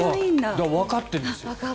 だからわかってるんですよ。